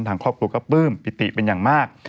ทางครอบครัวก็ปลื้มปิติเป็นอย่างมาก